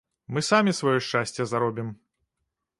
Мы самі сваё шчасце заробім.